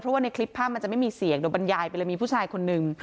เพราะว่าในคลิปภาพมันจะไม่มีเสียงโดยบรรยายไปเลยมีผู้ชายคนนึง